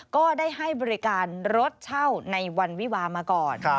ก็ได้ให้บริการรถเช่าในวันวิวามาก่อน